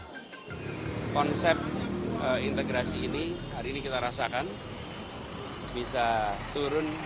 karena konsep integrasi ini hari ini kita rasakan bisa turun